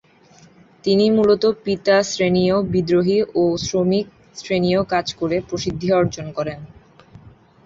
তিনি মূলত পিতাশ্রেণীয়, বিদ্রোহী ও শ্রমিক শ্রেণীয় কাজ করে প্রসিদ্ধি অর্জন করেন।